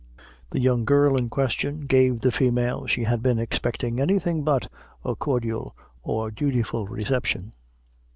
The young girl in question gave the female she had been expecting any thing but a cordial or dutiful reception.